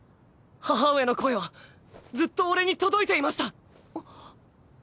母上の声はずっと俺に届いていました。